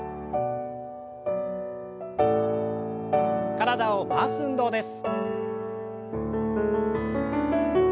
体を回す運動です。